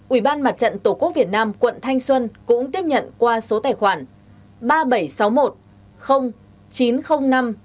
ủy ban mặt trận tổ quốc việt nam tp hà nội cũng tiếp nhận qua số tài khoản